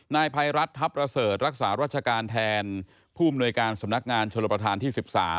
นายภัยรัฐทัพประเสริฐรักษารัชการแทนผู้อำนวยการสำนักงานชลประธานที่๑๓